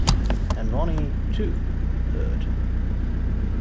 And Ronnie, too, heard.